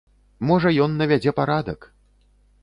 Можа, ён навядзе парадак.